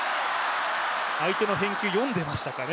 相手の返球、読んでましたかね。